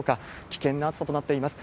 危険な暑さとなっています。